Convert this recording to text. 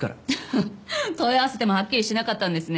フフ問い合わせてもはっきりしなかったんですね。